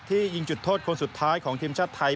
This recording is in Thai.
ยิงจุดโทษคนสุดท้ายของทีมชาติไทย